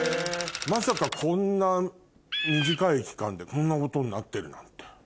まさかこんな短い期間でこんなことになってるなんて。